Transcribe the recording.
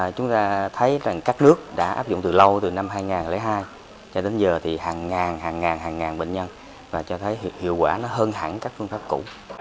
chúng ta thấy rằng các nước đã áp dụng từ lâu từ năm hai nghìn hai cho đến giờ thì hàng ngàn hàng ngàn hàng ngàn bệnh nhân và cho thấy hiệu quả nó hơn hẳn các phương pháp cũ